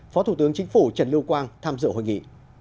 phó thủ tướng chính phủ trần lưu quang tham dự hội nghị